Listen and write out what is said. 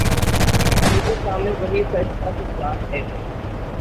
ان کے سامنے وہی سچ تھا کہ جان ہے۔